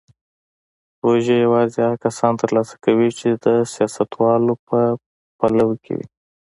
پروژې یوازې هغه کسان ترلاسه کوي چې د سیاستوالو په پلو کې وي.